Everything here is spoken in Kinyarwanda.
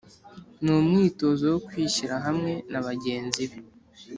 Ni umwitozo wo kwishyira hamwe na bagenzi be